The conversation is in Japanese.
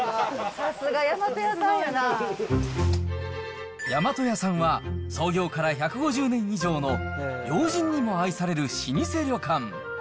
さすが、大和屋さんは、創業から１５０年以上の、要人にも愛される老舗旅館。